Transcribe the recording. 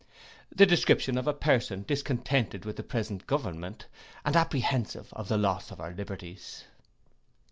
The description of a person discontented with the present government, and apprehensive of the loss of our liberties.